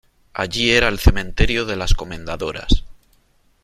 allí era el cementerio de las Comendadoras .